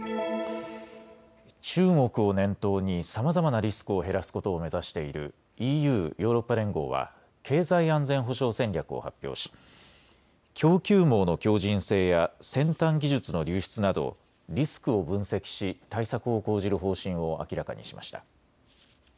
中国を念頭にさまざまなリスクを減らすことを目指しているＥＵ・ヨーロッパ連合は経済安全保障戦略を発表し供給網の強じん性や先端技術の流出などリスクを分析し対策を講じる方針を明らかにしました。